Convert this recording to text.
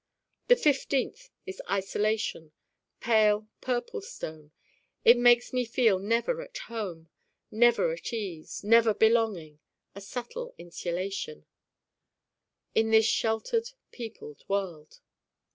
the fifteenth is Isolation, pale purple stone it makes me feel never at home, never at ease, never belonging a subtle insulation in this sheltered peopled world.